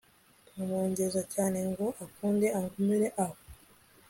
nkamwogeza cyane ngo akunde angumire aho